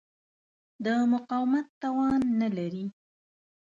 د مقاومت توان نه لري.